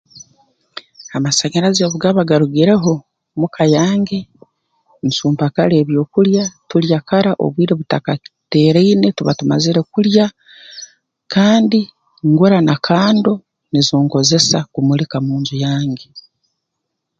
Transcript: Amasanyarazi obu gaba garugireho muka yange ncumba kara ebyokulya tulya kara obwire butakateeraine tuba tumazire kulya kandi ngura na kando nizo nkozesa kumulika mu nju yange